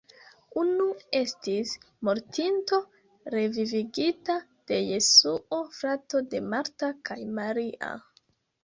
Unu estis mortinto revivigita de Jesuo, frato de Marta kaj Maria.